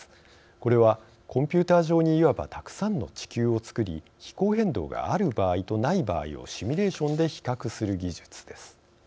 これは、コンピューター上にいわば、たくさんの地球をつくり気候変動がある場合とない場合をシミュレーションで比較する技術です。